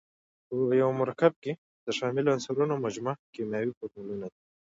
په یوه مرکب کې د شاملو عنصرونو مجموعه کیمیاوي فورمول دی.